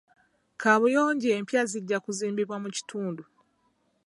Kabuyonjo empya zijja kuzimbibwa mu kitundu.